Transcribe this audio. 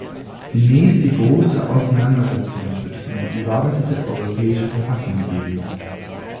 Die nächste große Auseinandersetzung wird es um die überarbeitete Europäische Verfassung geben.